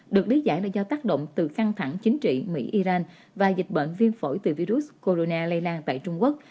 được biến giảm là do tác động từ căng thẳng chính trị mỹ iran và dịch bệnh viên phổi từ virus corona lây lan tại trung quốc